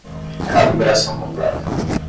Calibração completa.